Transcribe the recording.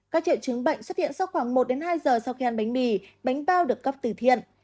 các triệu chứng bệnh xuất hiện sau khoảng một đến hai giờ sau khi ăn bánh mì bánh bao được cấp từ thiện